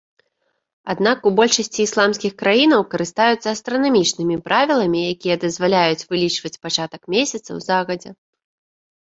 Аднак, у большасці ісламскіх краінаў карыстаюцца астранамічнымі правіламі, якія дазваляюць вылічваць пачатак месяцаў загадзя.